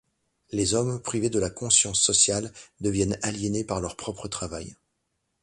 Les hommes, privés de la conscience sociale, deviennent aliénés par leur propre travail.